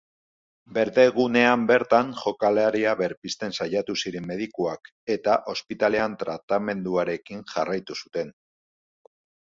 Berdegunean bertan jokalaria berpizten saiatu ziren medikuak eta ospitalean tratamenduarekin jarraitu zuten.